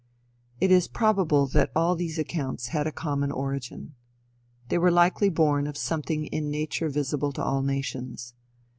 It is probable that all these accounts had a common origin. They were likely born of something in nature visible to all nations.